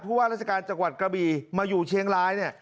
ผู้ว่าราชการจังหวัดกระบีมาอยู่เชียงร้าย